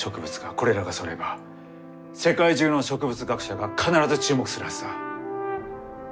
これらがそろえば世界中の植物学者が必ず注目するはずだ。